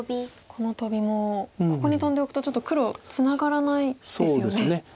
このトビもここにトンでおくとちょっと黒ツナがらないですよね。